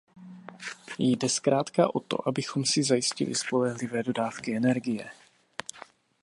Jde zkrátka o to, abychom si zajistili spolehlivé dodávky energie.